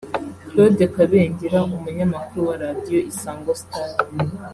Claude Kabengera umunyamakuru wa Radio Isango Star